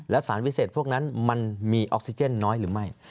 และสารวิเศษพวกนั้นมันมีออกซิเจนน้อยหรือไม่